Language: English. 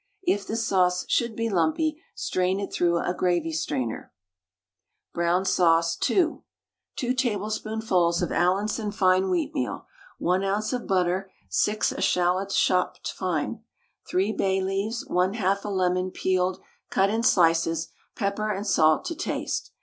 If the sauce should be lumpy, strain it through a gravy strainer. BROWN SAUCE (2). 2 tablespoonfuls of Allinson fine wheatmeal, 1 oz. of butter, 6 eschalots chopped fine, 3 bay leaves, 1/2 a lemon (peeled) cut in slices, pepper and salt to taste.